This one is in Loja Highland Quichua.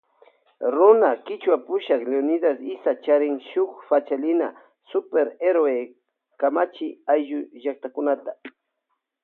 Runa kichwa pushak Leonidas Iza charin shuk pachalinata Super Héroe kamachay ayllu llaktakunata.